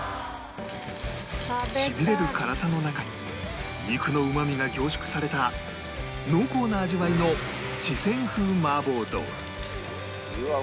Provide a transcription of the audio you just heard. しびれる辛さの中に肉のうまみが凝縮された濃厚な味わいの四川風麻婆豆腐